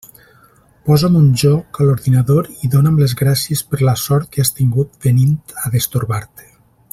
Posa'm un joc a l'ordinador i dóna'm les gràcies per la sort que has tingut venint a «destorbar-te».